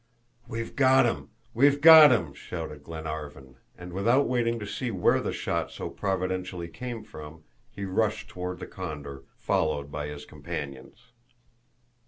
"We've got him, we've got him," shouted Glenarvan; and without waiting to see where the shot so providentially came from, he rushed toward the condor, followed by his companions.